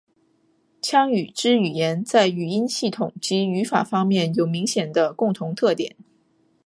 羌语支语言在语音系统及语法方面有明显的共同特点。